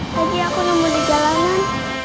tadi aku nemu di jalanan